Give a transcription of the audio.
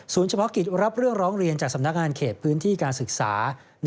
เฉพาะกิจรับเรื่องร้องเรียนจากสำนักงานเขตพื้นที่การศึกษา